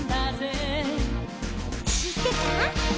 「しってた？」